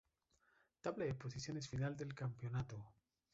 Tabla de posiciones final del campeonato.